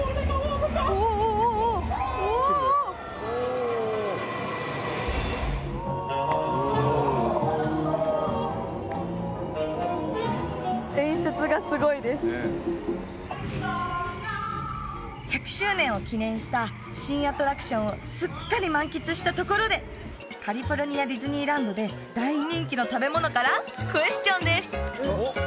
おおおおおおおおおおおお１００周年を記念した新アトラクションをすっかり満喫したところでカリフォルニアディズニーランドで大人気の食べ物からクエスチョンです